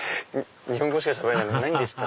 日本語しかしゃべれないんで。